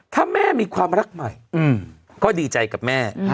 ถ้าแม่มีความรักใหม่ก็ดีใจกับแม่